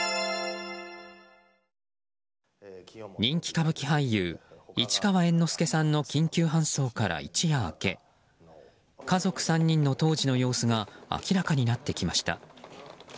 人気歌舞伎俳優市川猿之助さんの緊急搬送から一夜明け家族３人の当時の様子が明らかになってきました。